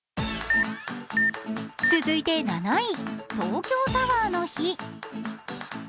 続いて７位、東京タワーの日。